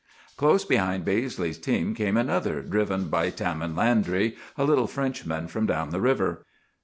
"Close behind Baizley's team came another, driven by Tamin Landry, a little Frenchman from down the river.